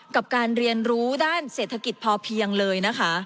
กับการเรียนรู้ด้านเศรษฐกิจพอเพียงเลยนะคะ